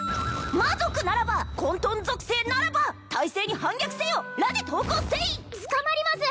魔族ならば混沌属性ならば体制に反逆せよ裸で登校せい捕まります